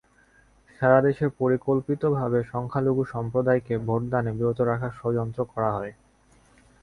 সারা দেশে পরিকল্পিতভাবে সংখ্যালঘু সম্প্রদায়কে ভোটদানে বিরত রাখার যড়যন্ত্র করা হয়।